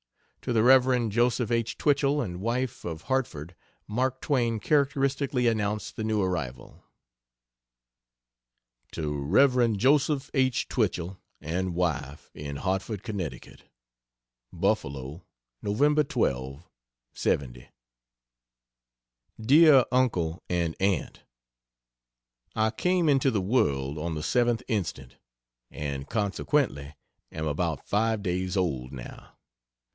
To the Rev. Joseph H. Twichell and wife, of Hartford, Mark Twain characteristically announced the new arrival. To Rev. Joseph H. Twichell and wife, in Hartford, Conn.: BUFFALO, Nov 12, '70. DEAR UNCLE AND AUNT, I came into the world on the 7th inst., and consequently am about five days old, now.